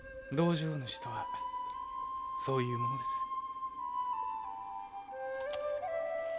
道場主とはそういうものです。